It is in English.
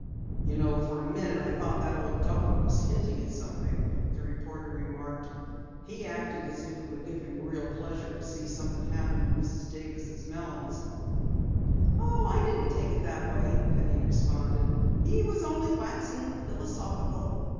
"You know, for a minute I thought that old duffer was hinting at something," the reporter remarked. "He acted as if it would give him real pleasure to see something happen to Mrs. Davis' melons." "Oh, I didn't take it that way," Penny responded. "He was only waxing philosophical."